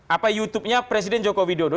apa youtubenya presiden jokowi dodo